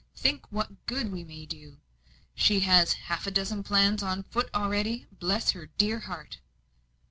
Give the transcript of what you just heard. Think what good we may do! She has half a dozen plans on foot already bless her dear heart!"